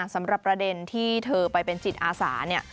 สำหรับประเด็นที่เธอไปเป็นจิตอาสาเนี่ย